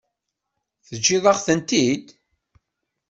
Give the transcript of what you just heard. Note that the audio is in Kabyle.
Teǧǧiḍ-aɣ-tent-id?